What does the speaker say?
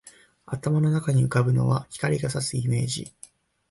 頭の中に浮ぶのは、光が射すイメージ